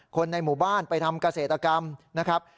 คนในหมู่บ้านไปทำเกษตรกรรมนะครับ